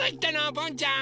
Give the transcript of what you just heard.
ボンちゃん。